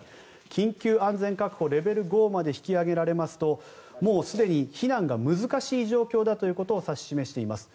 緊急安全確保レベル５まで引き上げられますともうすでに避難が難しい状況だということを指し示しています。